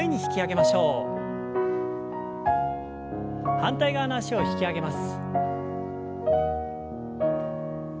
反対側の脚を引き上げます。